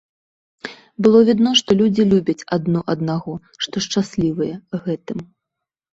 Было відно, што людзі любяць адно аднаго, што шчаслівыя гэтым.